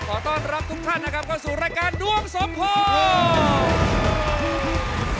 ขอต้อนรับทุกท่านนะครับเข้าสู่รายการดวงสมพงษ์